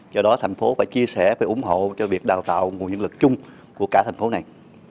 do đó thành phố phải chia sẻ và ủng hộ cho việc đào tạo nguồn nhân lực chung của cả thành phố này